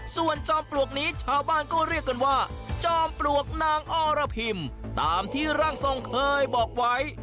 ส่วนจอมปลวกนี้ชาวบ้านก็เรียกกันว่าจอมปลวกนางอรพิมตามที่ร่างทรงเคยบอกไว้